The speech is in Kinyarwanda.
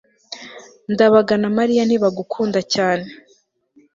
ndabaga na mariya ntibagukunda cyane